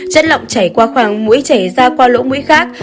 chất lỏng chảy qua khoảng mũi chảy ra qua lỗ mũi khác